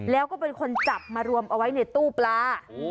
แล้วก็เป็นคนจับมารวมเอาไว้ในตู้ปลา